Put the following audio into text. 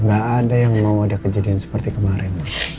gak ada yang mau ada kejadian seperti kemarin